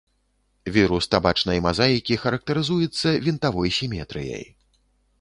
Вірус табачнай мазаікі характарызуецца вінтавой сіметрыяй.